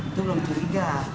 itu belum curiga